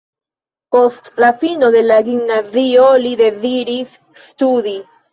Post la fino de la gimnazio li deziris studi.